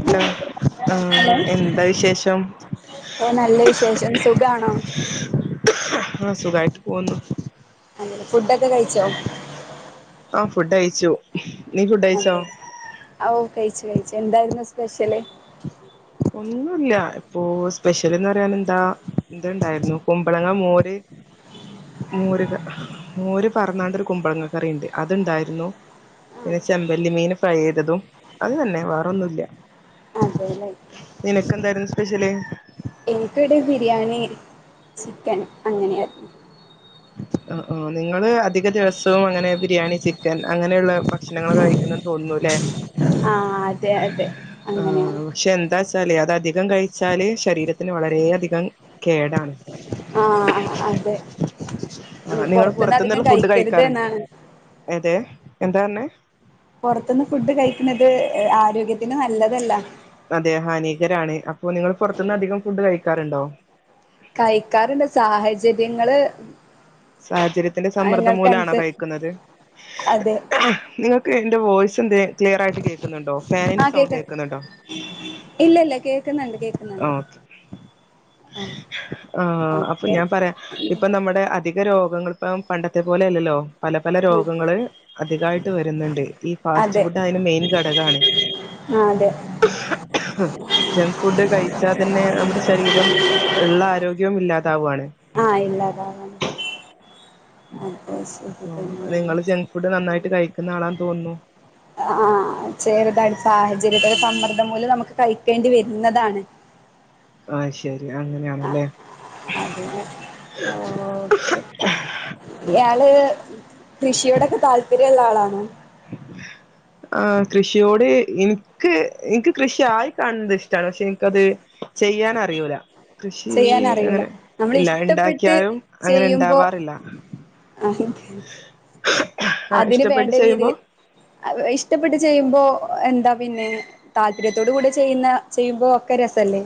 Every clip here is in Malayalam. ഹലോ ആഹ് ഹലോ. എന്താ വിശേഷം ഓ നല്ല വിശേഷം സുഖാണോ. ഉം സുഖായിട്ട് പോന്നു. അങ്ങനെ ഫുഡ് ഒക്കെ കഴിച്ചോ. ആഹ് ഫുഡ് കഴിച്ചു. നീ ഫുഡ് കഴിച്ചോ അതെ ഔ കഴിച്ചു കഴിച്ചു എന്തായിരുന്നു സ്പെഷ്യല്. ഒന്നുല്ല ഇപ്പൊ സ്പെഷ്യല് എന്ന് പറയാൻ എന്താ ഇതുണ്ടായിരുന്നു കുമ്പളങ്ങ മോര്. [unintelligible] മോര് മോര് പാർന്നാണ്ട് ഒരു കുമ്പളങ്ങ കറിണ്ട് അത് ഉണ്ടായിരുന്നു. ചെമ്പല്ലി മീൻ ഫ്രൈ ചെയ്തതും അത് തന്നെ വേറൊന്നും ഇല്ല. അതേല്ലേ. നിനക്ക് എന്തായിരുന്നു സ്പെഷ്യല്. എനിക്ക് ഇവിടെ ബിരിയാണി ചിക്കൻ അങ്ങനെ ആരുന്നു. ഒ ഓ നിങ്ങള് അധിക ദിവസവും അങ്ങനെ ബിരിയാണി ചിക്കൻ അങ്ങനെയുള്ള. ഭക്ഷണങ്ങള് കഴിക്കുന്ന തോന്നുന്നുല്ലേ ആഹ് അതെ അതെ ആഹ്. അങ്ങനെയാണ് പക്ഷെ എന്താച്ചാലേ അത് അധികം കഴിച്ചാല് ശരീരത്തിന് വളരെ അധികം കേടാണ്. ആഹ് അതെ ആഹ് നിങ്ങൾ പൊറത്തുന്ന് അധികം കഴിക്കരുത് എന്നാണ്. അതെ എന്താ പറഞ്ഞേ. പൊറത്തുന്ന് ഫുഡ് കഴിക്കുന്നത് ആരോഗ്യത്തിന് നല്ലതല്ല. അതെ ഹാനികരാണ് അപ്പൊ നിങ്ങൾ പൊറത്തുന്ന് അധികം ഫുഡ് കഴിക്കാറുണ്ടോ. കഴിക്കാറുണ്ട് സാഹചര്യങ്ങള്. സാഹചര്യത്തിന്റെ സമ്മർദ്ദം നിങ്ങൾക്ക് മൂലമാണോ അനുസ കഴിക്കുന്നത് അതെ നിങ്ങ. എന്റെ വോയ്സ് എന്തേ ക്ലിയർ ആയിട്ട് കേൾക്കുന്നുണ്ടോ ഫാനിൻ്റെ ആഹ് കേക്ക സൗണ്ട് കേക്കുന്നുണ്ടോ. ഇല്ല ഇല്ല കേക്കുന്നുണ്ട് കേക്കുന്നുണ്ട്. ആഹ് ഓക്കെ ആഹ് ആഹ് അപ്പൊ ഓക്കെ ഞാൻ പറയാ ഇപ്പൊ നമ്മുടെ അ ധിക രോഗങ്ങൾ ഇപ്പം പണ്ടത്തെ പോലെ അല്ലല്ലോ പല പല ഉം രോഗങ്ങള് അധികായിട്ട് വരുന്നുണ്ട്. ഈ ഫാസ്റ്റ് അതെ ഫുഡ് അതിന് മെയിൻ ഘടകാണ്. ആ അതെ ജംഗ് ഫുഡ് കഴിച്ചാ തന്നെ നമ്മുടെ ശരീരം ഇള്ള ആരോഗ്യവും ഇല്ലാതാവാണ്. ആഹ് ഇല്ലാതാവാണ് അത് ശരി അപ്പൊ തന്നെയാണ് ഇങ്ങള് ജംഗ് ഫുഡ് നന്നായിട്ട് കഴിക്കുന്ന ആളാന്ന് തോന്നുന്നു? ആഹ് ചെറുതായി സാഹചര്യത്തിൻ്റെ സമ്മർദ്ദം മൂലം നമുക്ക് കഴിക്കേണ്ടി വരുന്നതാണ്. അഹ് ശരി അങ്ങനെയാണല്ലേ? അതെ ഓക്കെ ഇയാള് കൃഷിയോടൊക്കെ താല്‌പര്യംള്ള ആളാണോ? ആഹ് കൃഷിയോട് ഇൻക്ക് ഇൻക്ക് കൃഷിയായി കാണുന്നത് ഇഷ്ടാണ് പക്ഷെ ഇൻക്കത്. ചെയ്യാനറിയൂലാ. കൃഷി ചെയ്യാനറിയൂല അങ്ങനെ നമ്മള് ഇല്ല ഇഷ്ടപ്പെട്ട് ഇണ്ടാക്കിയാലും അങ്ങനെ ഇണ്ടാവാറില്ല. അഹന്നെ ആഹ് ഇഷ്ടപ്പെട്ട് ചെയ്യുമ്പോ രീതിയിൽ ഇഷ്ടപ്പെട്ട് ചെയ്യുമ്പോ എന്താ പിന്നെ. താല്പര്യത്തോട്കൂടി ചെയ്യുന്ന ചെയ്യുമ്പോ ഒക്കെ രസല്ലേ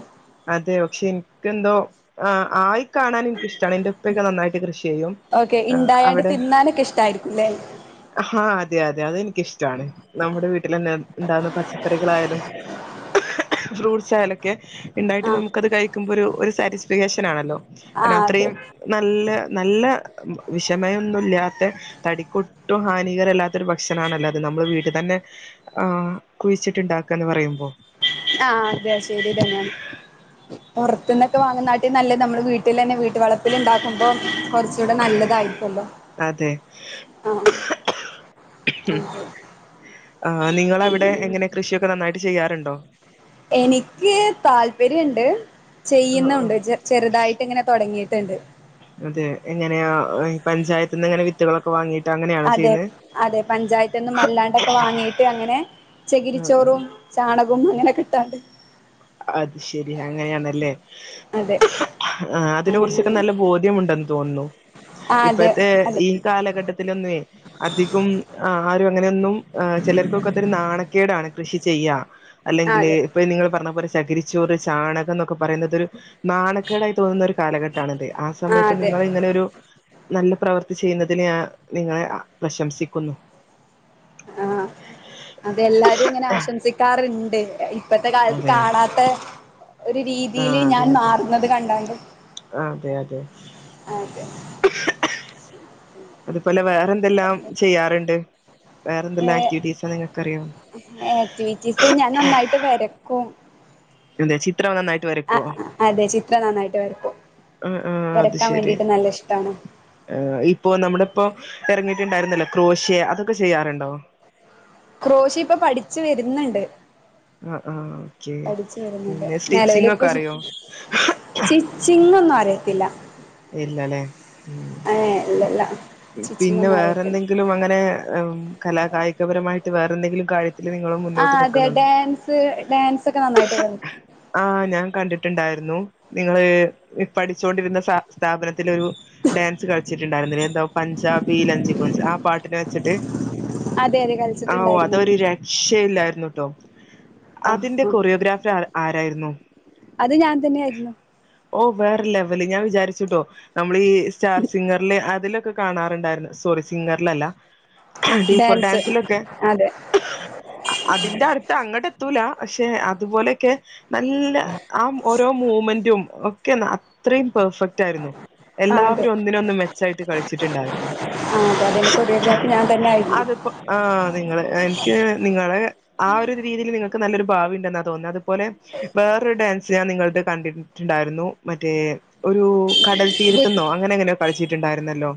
അതെ പക്ഷെ ഇൻക്കെന്തോ ആയി കാണാനിനക്ക്ഷ്ടാണ് ഇന്റെ ഉപ്പയൊക്കെ നന്നായിട്ട് കൃഷിചെയ്യും ഓക്കെ ഇണ്ടായാണ്ട് തിന്നാനൊക്കെ ഇഷ്ടായിരിക്കുംല്ലേ? ആഹ് അതെയതെ അതെനിക്കിഷ്ട ട്ടാണ് നമ്മുടെ വീട്ടിലെന്നെ ഇണ്ടാവുന്ന പച്ചക്കറികളായാലും ഫ്രൂട്ട്സായാലൊക്കെ ഇണ്ടായിട്ട് ആഹ് നമുക്കത് കഴിക്കുമ്പോ ഒരു ഒരു സാറ്റിസ്ഫക്ഷനാണല്ലോ കാരണം ആഹ് അതെ അത്രയും നല്ല നല്ല വിഷമയൊന്നുല്ല്യാത്തെ തടിക്കൊട്ടും ഹാനികരമല്ലാത്തൊരു ഭക്ഷണണല്ലോ അത് നമ്മുടെ വീട്ടിതന്നെ ആഹ് കുഴിച്ചിട്ടുണ്ടാക്ക ആഹ് അതെ ശെരിതന്നെയാണ് പൊറത്തുന്നൊക്കെ വാങ്ങുന്നാട്ടി നല്ലത് നമ്മുടെ വീട്ടിലെന്നെ വീട്ട് വളപ്പില്ണ്ടാക്കുമ്പോ കൊറച്ച് കൂടെ നല്ലതായിരിക്കല്ലോ അതെ ആഹ് ആഹ് അതെ ആ്ഹ് നിങ്ങളവിടെ എങ്ങനെ കൃഷിയൊക്കെ നന്നായിട്ട് ചെയ്യാറുണ്ടോ? എനിക്ക് താല്പര്യയ്ണ്ട് ആ ആ ചെയ്യുന്നുണ്ട് ചെ ചെറുതായിട്ട്ങ്ങനെ തൊടങ്ങിയിട്ടുണ്ട് അതെ എങ്ങനെയ പഞ്ചായത്ത്ന്നങ്ങനെ വിത്തുകളൊക്കെ വാങ്ങി അതെ അതെ പഞ്ചായത്ത്ന്നും അല്ലാണ്ടൊക്കെ വാങ്ങീയിട്ടങ്ങനെ ആ ആ ചെകിരിച്ചോറും ചാണകും അങ്ങനെക്ക ഇട്ടാണ്ട് അത് ശെരി അങ്ങനെയാണല്ലേ? അതെ ആ അതിനെ കുറിച്ചൊക്കെ അങ്ങനെ നല്ല അങ്ങനെ ബോധ്യമുണ്ടെന്ന് തോന്നുന്നു ആഹ് അതെ ഇപ്പഴത്തെ അതെ ഈ കാലഘട്ടത്തിലൊന്നെ അധികം ആ ആരും അങ്ങനെയൊന്നും ഏഹ് ചെലർക്കൊക്ക അതൊരു നാണക്കേടാണ് കൃഷിചെയ്യാ ആഹ് അല്ലെങ്കില് അതെ ആഹ് ഇപ്പ നിങ്ങള് പറഞ്ഞ പോലെ ചകിരിച്ചോറ്, ചാണകം, എന്നൊക്കെ പറയുന്നതൊരു നാണക്കേടായി തോന്നുന്നൊരു കാലഘട്ടാണ്ത് ആ സമയത്ത് അതെ നിങ്ങള് ഇങ്ങനൊരു നല്ല പ്രവർത്തി ചെയ്യുന്നതിന് ഞാൻ നിങ്ങളെ പ്രശംസിക്കുന്നു. ആഹ് അതെല്ലാരും ഇങ്ങനെ ആശംസിക്കാറ്ണ്ട് ഇപ്പത്തെ കാലത്ത് അതെ കാണാത്ത ഒരു രീതിയില് ഞാൻ മാറുന്നത് കണ്ടാണ്ട് അതെഅതെ അതെ അത്പോലവെ എന്തെല്ലാംചെയ്യാറുണ്ട് വേ വേറെന്തെല്ലാംആക്ടിവിറ്റീസ് നിങ്ങക്ക്റിയ ആക്ടിവിറ്റീസ്ഞാൻനന്നായിട്ട് വെരക്കും എന്താ ചിത്രം നന്നായിട്ട് വരക്കുവോ ആഅതെചിത്രംനന്നായിട്ട് വരക്കും ആഹ് വെരക്കാൻവേണ്ടീട്ട്നല്ലഷ്ട്ടാണ്. ഏഹ്ഇപ്പോൊനമ്മുടെപ്പോ ഇറങ്ങിയിട്ടുണ്ടായിരുന്നല്ലോ ക്രോഷ്യഅതൊക്കെചെയ്യാറുണ്ടോ? ക്രോഷിപ്പൊപഠിച്ചുവരുന്നുണ്ട്. ആഹ് ആഹ് ഓക്കെ പിന്നെ സ്റ്റിച്ചിങ് ഒക്കെ പഠിച്ചുവരുന്നണ്ട്നെലവലിപ്പചി അറിയോ സ്റ്റിച്ചിങ്ങോന്നുംഅറിയത്തില്ല ഇല്ലല്ല സ്റ്റിച്ചിങ്ങൊന്നും ഇല്ലല്ലേഉംപിന്നെവേറെന്തെ അറിയത്തില്ല ങ്കിലുംഅങ്ങനെകലാ കായികപരമായിട്ട് വേറെന്തെങ്കിലുംകാ ആഹ്അതെഡാൻസ്ഡാൻസൊക്കെനന്നായിട്ട്കളി ആഹ്ഞാൻകണ്ടിട്ടുണ്ടായിരുന്നു നിങ്ങള്പഠിച്ചുൊണ്ടിരുന്ന സ്ഥാപനത്തിലൊരു ഡാൻസ്കളിച്ചിട്ടുണ്ടായിരുന്നല്ലേ എന്തോപഞ്ചാബിലഞ്ചികോഞ്ച്ആ പാട്ടിനെവെച്ചിട്ട്. അതെയതെകളിച്ച ആഒഅതൊരുരക്ഷയില്ലായിരുന്നുട്ടോ ആ അതിന്റെകൊറിയോഗ്രാഫ്റ്റ്അ ആരായിരുന്നു. അത്ഞാൻതന്നെയായിരുന്നു. ഓ വേറെ ലെവല് ഞാൻ വിചാരിച്ചുട്ടോ നമ്മൾ ഈ സ്റ്റാർ സിംഗറില് അതിലൊക്കെ കാണാറുണ്ടായിരുന്നു സോറി സിംഗറിലല്ല ഡി ഫോർ ഡാൻസ് ഡാൻസിലൊക്കെ അതെ അതിന്റെ അടു ത്ത് അങ്ങടെ എത്തൂല പക്ഷെ അതുപോലെയൊക്കെ നല്ല ആ ഓരോ മൂവ്മെന്റും ഓക്കെ എന്നാ അത്രയും പെർഫെക്റ്റ് ആയിരുന്നു ആ അതെ എല്ലാവരും ഒന്നിന് ഒന്ന്മെച്ചായിട്ട് കളിച്ചിട്ടുണ്ടായിരുന്നു ആ അതെന്റെ കൊറിയോഗ്രാഫി ഞാൻ തന്നെ ആയിരുന്നു അതിപ്പോ ആ നിങ്ങള് എനിക്ക് നിങ്ങളെ ആ ഒരു രീതിൽ നിങ്ങൾക്ക് നല്ലൊരു ഭാവി ഉണ്ടെന്നാ തോന്നുന്നത് അത് പോലെ വേറൊരു ഡാൻസ് ഞാൻ നിങ്ങള ത് കണ്ടിട്ടട്ടുണ്ടായിരുന്നു മറ്റേ ഒരു കടൽ തീരുത്തുന്നോ അങ്ങനെ എങ്ങനെയോ കളിച്ചിട്ടുണ്ടായിരുന്നല്ലോ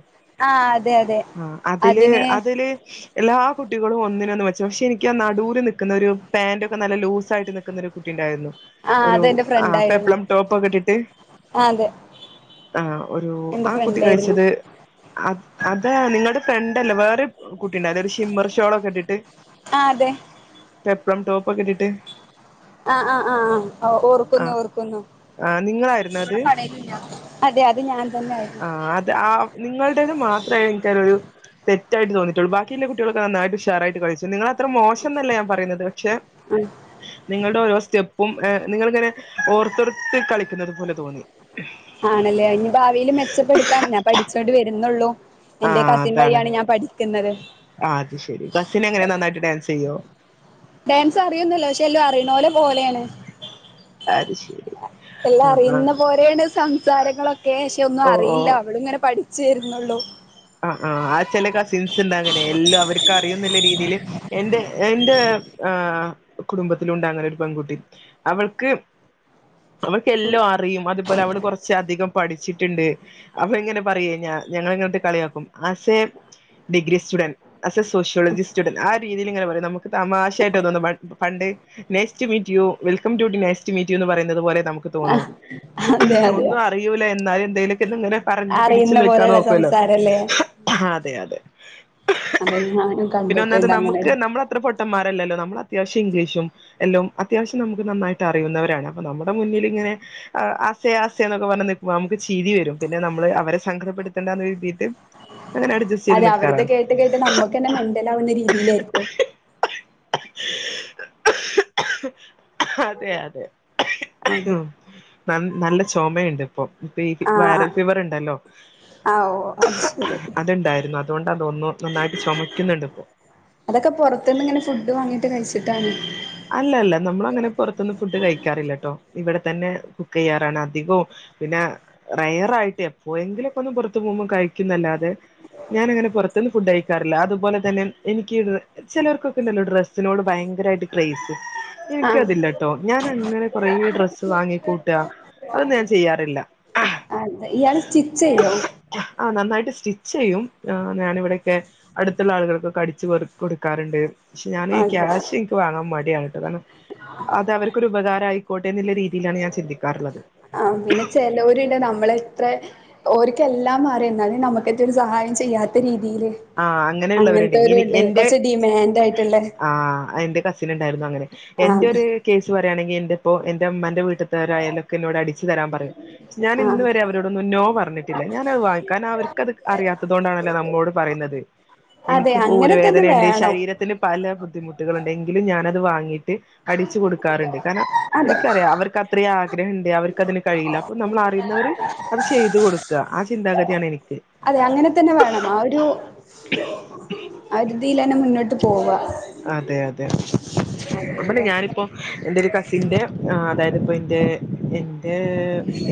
ആ അതെ അതെ ആ അതില് അതിന് അതില് എല്ലാ കുട്ടികളും ഒന്നിന് ഒന്ന് മെച്ച പക്ഷെ എനിക്ക് ആ നടുല് നിൽക്കുന്ന ഒരു പാന്ൻറ് ഒക്കെ നല്ല ലൂസായിട്ട് നിക്കുന്നൊരു കുട്ടി ഉണ്ടായിരുന്നു ആഹ് അതെന്റെ ആഹ അപ്പൊ ഫ്രണ്ടായിരുന്നു എപ്പളം ടോപ്പ് ഒക്കെ ഇട്ടിട്ട് ആ അതെ ആഹ ഒരു എന്റെ ആ കുട്ടി ഫ്രണ്ടായിരുന്നു കഴിച്ചത് അതാ നിങ്ങളുടെ ഫ്രണ്ടല്ലേ വേറെ കുട്ടിണ്ടായിരുന്നു ഒരു ഷിമ്മർ ഷോളൊക്കെ ഇട്ടിട്ട് ആ അതെ പെപ്പ്ളം ടോപ്പ് ഒക്കെ ഇട്ടിട്ട് ആഹ ആ ആ ആ ഓർ ക്കുന്നു ആ ഓർക്കുന്നു നിങ്ങളായിരുന്നു അത് അതെ അത് ഞാൻ തന്നെ ആയിരുന്നു ആ അത ആ നിങ്ങളടേത് മാത്രേ എനിക്കതിലൊരു തെറ്റായിട്ട് ത്തോന്നയിട്ടുള്ള ബാക്കിയുള്ള കുട്ടികളൊക്കെ നായിട്ട് ഉഷറായിട്ട് കളിച്ചു നിങ്ങളെ അത്ര മോശം ന്നല്ല ഞാൻ പറയുന്നത് പക്ഷെ ആഹ് നിങ്ങളുടെ ഓരോ സ്റ്റെപ്പും നിങ്ങൾങ്ങനെ ഓർത്തെർത്ത് കളിക്കുന്നത് പോലെ തോന്നി ആണല്ലേ ഇനി ഭാവിയിൽ മെച്ചപ്പെടുത്താം ഞാൻ പഠിച്ചോണ്ടി വരുന്നുള്ളൂ എന്റെ കസിൻ വഴിയാണ് ഞാൻ പഠിക്കുന്നത് ആ അത് ശരി കസിന് എങ്ങനെ നന്നായിട്ട് ഡാൻസ് ചെയ്യോ ഡാൻസ് അറിയുന്നന്നല്ലോ പക്ഷെ എല്ലാം അറിനോലെ പോലെയാണ് അത് ശരി എല്ലാം ആഹ് ആഹ് അറിയുന്ന പോലെയാണ് സംസാരങ്ങളൊക്കെ പക്ഷെ ഒന്നും ഓ ഓ അറിയില്ല അവൾ ഇങ്ങനെ പഠിക്ക പഠിച്ചു വരുന്നേയുള്ളൂ ആ ആ ആ ചില കസിൻസ് ഉണ്ട് അങ്ങനെ എല്ലാം അവർക്ക് അറിയും എന്നുള്ള രീതിയിൽ എന്റെ എൻ്റെ ആ കുടുംബത്തിലും ഉണ്ട് അങ്ങനെ ഒരു പെൺകുട്ടി അവൾക്ക് അവൾക്ക് എല്ലാം അറിയും അതുപോലെ അവൾ കുറച്ച് കുറച് അധികം പഠിച്ചിട്ടുണ്ട് അപ്പൊ ഇങ്ങനെ പറയെ ഞങ്ങൾ അങ്ങനെ ഇട്ട് കളിയാക്കും. As a degree student as a sociology student ആ രീതിയിൽ ഇങ്ങനെ പറയും നമുക്ക് തമാശായിട്ട് തോന്നും പണ്ട് nice to meet you welcome too nice to meet you പറയുന്നത് പോലെ നമുക്ക് തോന്ന ആഹ് അതെ അതെ ഒന്നും അറിയൂല്ല എന്നാലും എന്തേ ങ്ങനെ പറഞ് പിടിച്ച് അറിയുന്ന നിൽക്കാൻ പോലെയുള്ള നോക്കുവല്ലോ സംസാരല്ലേ അതെ അതെ അതെ ഞാനും പിന്നെ ഒന്നാമത് കണ്ടിട്ടുണ്ട് അങ്ങനെ നമുക്ക് നമ്മള അത്ര പൊട്ടമാരല്ലോ നമ്മൾ അത്വവ ശ്യം ഇംഗ്ലീഷും എല്ലാം അത്യാവശ്യം നമുക്ക് നന്നായിട്ട് അറിയുന്നവരാണ് അപ്പൊ നമ്മുടെ മുന്നിൽങ്ങനെ ആ ആസേ ആസയ എന്നൊക്കെ പറഞ് നിൽക്കുമ്പ നമുക്ക് ചിരി വരും പിന്നെ നമ്മള് അവരെ സങ്കടപ്പെടുത്തേണ്ട അങ്ങനെ അട് അതെ അവരുത് കേട്ട് കേട്ട് നമ്മുക്ക് തന്നെ മെന്റല ആകുന്ന രീതിയില ആയിരിക്കും അതെ അതെ ഉ അതെ ന നല്ല ചുമയുണ്ട് ഇപ്പൊ ഇപ്പൊ ഈ വൈറൽ ആഹ് ഫീവർ ഉണ്ടല്ലോ ആ ഓ അത് ശരി അത്ണ്ടായിരുന്നു അതുകൊണ്ട് തോന്നുന്നു നന്നായിട്ട് ചുമക്കുന്നുണ്ട് ഇപ്പോ അതൊക്കെ പുറത്തു നിന്ന് ഇങ്ങനെ ഫുഡ് വാങ്ങിട്ട് കഴിച്ചിട്ടാണ് അല്ല അല്ല നമ്മള അങ്ങനെ പുറത്തൊന്നും ഫുഡ് കഴിക്കാറില്ല കേട്ടോ ഇവിടെ തന്നെ കുക്ക് ചെയ്യാറാണ് അധികവും പിന്നെ റയറ ആയിട്ടേ പോയെങ്കിലും ഒ ക്കെ ഒന്ന് പുറത്തു പോകുമ്പോം കഴിക്കുന്നല്ലാതെ ഞാൻ അങ്ങനെ പുറത്ത് നിന്ന് ഫുഡ് കഴിക്കാറില്ല അതുപോലെ തന്നെ എനിക്ക് ചിലവർക്കൊക്കെ ഉണ്ടല്ലോ ഡ്രസിനോട് ഭയങ്കര ആയിട്ട് ക്രേസ് ആ എനിക്കതില്ലട്ടോ ഞാൻ അങ്ങനെ കൊറെ ഡ്രസ്സ് വാങ്ങിക്കൂട്ടുക അതൊന്നും ഞാൻ ചെയ്യാറില്ല അതെ ഇയാൾ സ്റ്റിച്ച് ചെയ്യോ ആഹ് നന്നായിട്ട് സ്റ്റിച്ച് ചെയ്യും ഞാൻ ഇവിടെക്കെ അടുത്തുള്ള ആളുകൾക്കെ അടിച്ച് കൊടുക്കാറുണ്ട് പക്ഷെ ഞാൻ അതെ ക്യാഷ് എനിക്ക് വാങ്ങാൻ മടിയാണ് കേട്ടോ കാരണം അത് അവർക്കൊരു ഉപകാര ആയിക്കോട്ടെ എന്നുള്ള രീതിയിലാണ് ഞാൻ ചിന്തിക്കാറുള്ളത് ആ പിന്നെ ചിലവരുണ്ട് നമ്മളെത്ര ഓർക്കെല്ലാം അറിയാം എന്നാല നമുക്കറ്റ് ഒരു സഹായം ചെയ്യാത്ത രീതിയില് ആ അങ്ങനെയുള്ളവരുണ്ട് ഇനി അങ്ങനത്തെവരുണ്ട് എൻ്റെ കുറച്ച് ഡിമാൻഡ് ആയിട്ടുള്ള ആ എൻ്റെ കസി ണ്ടായിരുന്നു അങ്ങനെ ആ എന്റെ അതെ ഒരു കേസ് പറയുകയാണെങ്കിൽ എന്റെപ്പോ എ ഇമ്മന്റെ വീട്ട കാരായാലും ഒക്കെ എന്നോട് അടിച്ചു തരാൻ പറയും ആ ഞാനിന്ന്‌ വരെ അവരോടൊന്ന് നോ പറഞ്ഞിട്ടില്ല ഞാനത് വാങ്ങിക്ക ഞ അവർക്കത് അറിയാത്തത് കൊണ്ടാണല്ലെ നമ്മോട് പറയുന്നത് അതെ എനിക്ക്പ്പോ അങ്ങനെ തന്നെ ഉരവേദനുണ്ട് വേണം ശരീ ത്തിത്തില് പല ബുദ്ധിമുട്ടുകളൾ ഉണ്ട് എങ്കിലും ഞാനത് വാങ്ങിട്ട് അടിച്ചു കൊടുക്കാറുണ്ട് കാരണം അതെ എനിക്കറിയാം അവർക്ക് അത്ര ആഗ്രഹംണ്ട് അവർക്ക്തിന് കഴിയില്ല അപ്പൊ നമ്മൾ അറിയുന്നവര് അത് ചെയ്തു കൊടുക്കുക ആ ചിന്താഗതിയാണ് എനിക്ക് അതെ അങ്ങനെ തന്നെ വേണം ആ ഒരു അവതിയിലന്നെ മുന്നോട്ട് പോവ അതെ അതെ അപ്പ അതെല്ലേ ഞാനിപ്പോ എന്റെ ഒരു കസിന്റെ അതായത്പ്പോ എന്റെ എൻ്റെ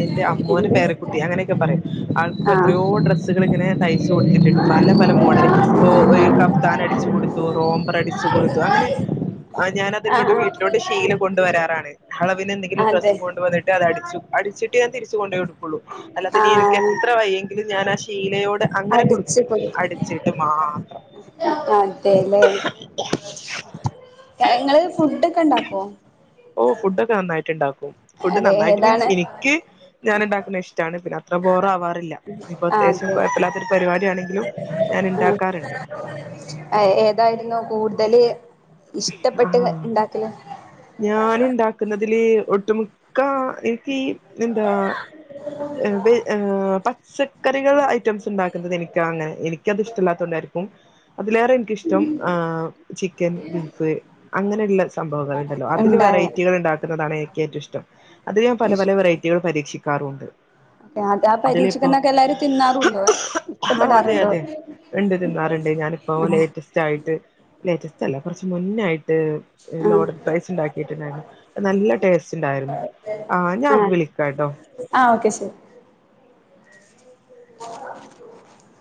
എന്റെ അമ്മോന്റെ എന്ത് പേരക്കുട്ടി അങ്ങനെയൊക്കെ പറയായും ആൾക്കിപ്പോ എത്രയോ ഡ്രസ്സുകൾ ഇങ്ങനെ തയ്ച്ചു കൊടുത്തിട്ടുണ്ട് പല പല മോഡല് ആ ഇപ്പൊ കഫ്താൻ അടിച്ചു കൊടുത്തു റോംമ്പർ അടിച്ചു കൊടുത്തു അങ്ങനെ ആഹ് ആ ഞാനത് നിങ്ങോടെ ആഹ് വീട്ടിലോട്ട് ശീല കൊണ്ട് വരാറാണ് അളവിന് എന്തെങ്കിലും അതെ ഡ്രസ്സ് കൊണ്ടവന്നിട്ട് അത അടിച്ചു അടിച്ചിട്ട് ഞാൻ തിരിച്ചു കൊണ്ടപോ കൊടുക്കുള്ളു അല്ലാതെ ഇനി എനിക്ക് ആഹ് എത്ര വയ്യെങ്കിലും ഞാൻ ആ ശീലയോടെ അങ്ങനെ അടിച്ചു കൊടുക്കൂല കൊടുക്കും അടിച്ചിട്ട് മാത്രം അതെല്ലേ ങ്ങള് ഫുഡ ഒക്കെ ഉണ്ടാക്കുവോ ഓഹ് ഫുഡ് ഒക്കെ നന്നായിട്ട്ണ്ടാക്കും ഫുഡ് അതെ നന്നായിട്ട് ഏതാണ് [unintelligible] [unintelligible] ഞൻ ഉണ്ടാക്കുന്ന ഇഷ്ടണ് പിന്നെ അത്ര ബോറ ആവാറില്ല ഇപ്പൊ ആഹ് അത്യാവശ്യം അതെ എപ്പല്ലാത്തൊരു പരിപാടിയാണെങ്കിലും ഞാൻ ഉണ്ടാക്കാറുണ്ട് ഏതായിരുന്ന് കൂടുതല് ഇഷ്ടപ്പെട്ട് ഉണ്ടാക്കല് ഞൻ ഉണ്ടാക്കുന്നതില് ഒട്ടുമിക്ക എനിക്ക് എന്താ പച്ചക്കറികൾ ഐറ്റംസ് ഉണ്ടാക്കുന്നത് എനിക്ക് അങ്ങനെ എനിക്കത്ഷ്ടമല്ലാത്ത കൊണ്ടായിരിക്കും അതിലേറെ എനിക്കിഷ്ടം ചിക്കൻ ബീഫ് അങ്ങനെയുള്ള സംഭവങ്ങൾുണ്ടല്ലോ അതില് ഇണ്ടായ വെറൈറ്റികൾ ഉണ്ടാക്കുന്നതാണ് എനിക്ക് ഏറ്റവും ഇഷ്ടം അതി ഞാൻ പല ഇഷ് പല വെറൈറ്റികൾ പരീക്ഷിക്കാറുമുണ്ട് അത ആ പരീക്ഷിക്കന്നൊക്കെ എല്ലാരും തിന്നാറുണ്ടോ ആഹ് അതെ ഇഷ്ടപ്പെടാറുണ്ടോ അതെ രണ്ട് തിന്നാറ് ഉണ്ട് ആഹ് ഞാനിപ്പോലറ്റ് യിട്ട് ലേറ്റസ്റ്റ് അല്ല കുറച്ച് മുന്നായിട്ട് ആഹ് ലോഡൺ പ്രൈസ് ഉണ്ടാക്കിയിട്ടുണ്ടായിരുന്നു നല്ല ടേസ്റ്റ് ഉണ്ടായിരുന്നു ആഹ് ഞാൻ വിളിക്കാംട്ടോ ആഹ് ഓക്കെ ശർ [unintelligible]